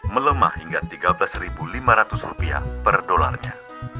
melemah hingga rp tiga belas lima ratus rupiah per dolarnya